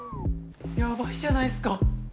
ヤバいじゃないっすか。